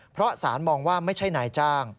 เพราะสารมองว่าไม่ใช่นายจ้าง